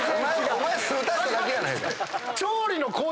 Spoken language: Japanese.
お前酢足しただけやないかい。